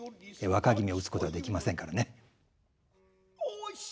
若君を討つことはできませんからね。